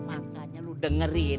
makannya lu dengerin